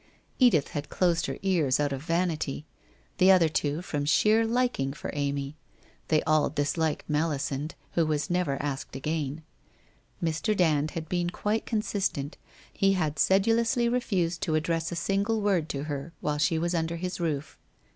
Edith had closed her ears out of vanity, the other two from sheer liking for Amy. They all disliked Melisande, who was never asked again. Mr. Dand had been quite consistent; he had sed ulously refused to address a single word to her while she WHITE ROSE OF WEARY LEAF 389 was under his roof.